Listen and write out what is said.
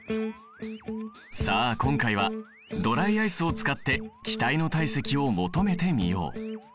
さあ今回はドライアイスを使って気体の体積を求めてみよう。